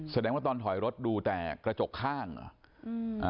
แสดงว่าตอนถอยรถดูแต่กระจกข้างเหรอ